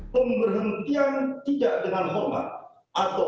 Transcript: pemberhentian tidak dengan hormat